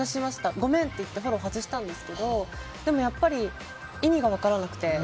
ごめんって言ってフォローを外したんですけどでもやっぱり意味が分からなくて。